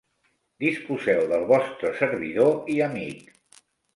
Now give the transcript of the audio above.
Disposeu del vostre servidor i amic.